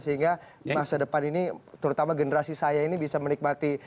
sehingga masa depan ini terutama generasi saya ini bisa menikmati